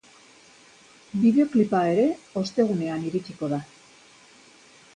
Bideoklipa ere, ostegunean iritsiko da.